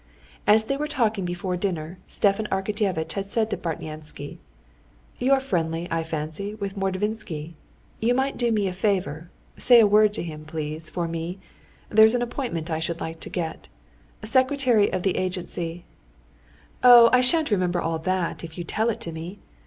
As they were talking before dinner, Stepan Arkadyevitch said to Bartnyansky: "You're friendly, I fancy, with Mordvinsky; you might do me a favor: say a word to him, please, for me. There's an appointment I should like to get—secretary of the agency...." "Oh, I shan't remember all that, if you tell it to me....